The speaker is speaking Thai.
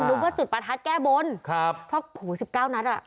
ว่าจุดประทัดแก้บนครับเพราะหูสิบเก้านัดอ่ะ